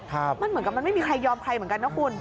มันเหมือนกับมันไม่มีใครยอมใครเหมือนกันนะคุณ